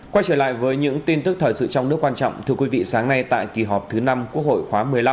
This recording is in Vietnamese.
quay trở lại với những tin tức thời sự trong nước quan trọng thưa quý vị sáng nay tại kỳ họp thứ năm quốc hội khóa một mươi năm